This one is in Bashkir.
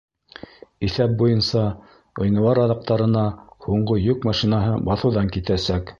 Иҫәп буйынса, ғинуар аҙаҡтарына һуңғы йөк машинаһы баҫыуҙан китәсәк.